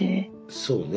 そうね。